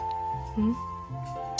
うん？